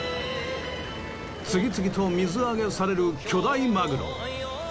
次々と水揚げされる巨大マグロ。